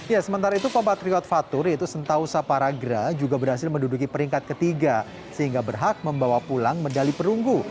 ya sementara itu kompatriot fatur yaitu sentau saparagra juga berhasil menduduki peringkat ketiga sehingga berhak membawa pulang medali perunggu